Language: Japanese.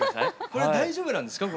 これ大丈夫なんですか？